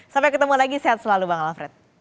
sampai ketemu lagi sehat selalu bang alfred